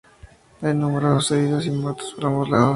Hay numerosos heridos y muertos por ambos lados.